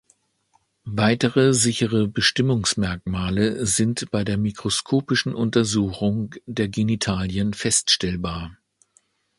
Weitere sichere Bestimmungsmerkmale sind bei der mikroskopischen Untersuchung der Genitalien feststellbar.